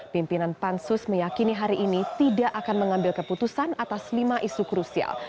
pimpinan pansus meyakini hari ini tidak akan mengambil keputusan atas lima isu krusial